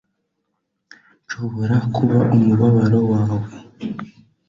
Nshobora kuba umubabaro wawe